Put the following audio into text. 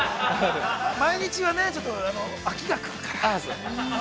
毎日はね、ちょっと飽きが来るから。